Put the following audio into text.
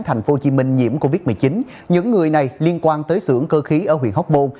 tp hcm nhiễm covid một mươi chín những người này liên quan tới xưởng cơ khí ở huyện hóc môn